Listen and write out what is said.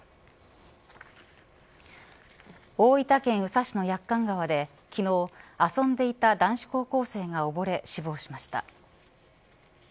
大分県宇佐市の駅館川で昨日、遊んでいた男子高校生が溺れ死亡しました。